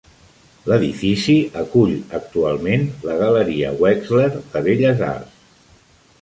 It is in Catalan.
L'edifici acull actualment la galeria Wexler de belles arts.